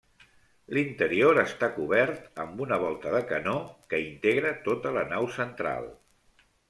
L'interior està cobert amb una volta de canó que integra tota la nau central.